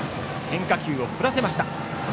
変化球を振らせました。